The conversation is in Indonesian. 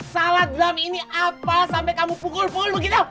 salah jam ini apa sampai kamu pukul pukul begitu